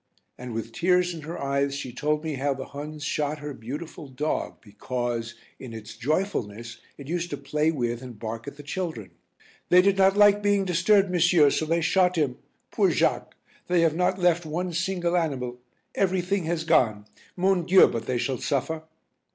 And, with tears in her eyes, she told me how the Huns shot her beautiful dog because, in its joyfulness, it used to play with and bark at the children. "They did not like being disturbed, monsieur, so they shot him poor Jacques! They have not left one single animal; everything has gone. Mon Dieu, but they shall suffer!"